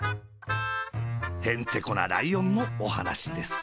へんてこなライオンのおはなしです。